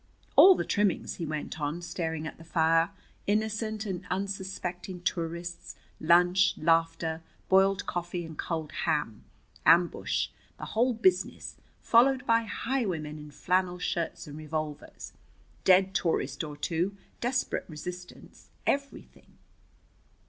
"All the trimmings," he went on, staring at the fire. "Innocent and unsuspecting tourists, lunch, laughter, boiled coffee, and cold ham. Ambush. The whole business followed by highwaymen in flannel shirts and revolvers. Dead tourist or two, desperate resistance everything."